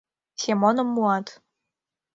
Семоным муат